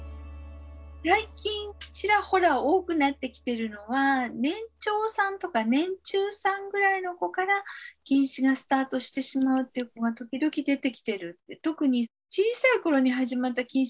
最近ちらほら多くなってきてるのは年長さんとか年中さんぐらいの子から近視がスタートしてしまうっていう子が時々出てきてる。